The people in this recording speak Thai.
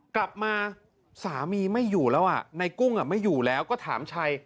กลับมาสามีไม่อยู่แล้วในกุ้งไม่อยู่แล้วก็ถามชัย